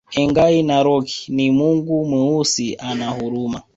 Engai Narok ni mungu Mweusi ana huruma